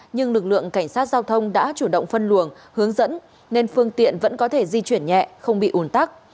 nhưng lực lượng cảnh sát giao thông đã chủ động phân luồng hướng dẫn nên phương tiện vẫn có thể di chuyển nhẹ không bị ủn tắc